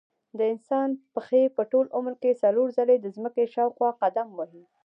د انسان پښې په ټول عمر کې څلور ځلې د ځمکې شاوخوا قدم وهي.